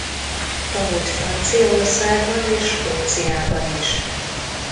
Tanult Franciaországban és Skóciában is.